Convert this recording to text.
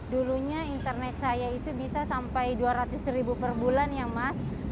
dulunya internet saya itu bisa sampai dua ratus ribu per bulan ya mas